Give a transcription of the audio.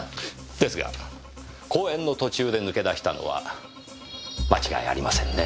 ですが講演の途中で抜け出したのは間違いありませんね。